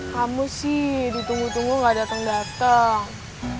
kamu sih ditunggu tunggu gak dateng dateng